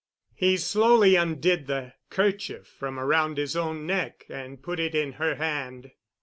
He slowly undid the kerchief from around his own neck and put it in her hand.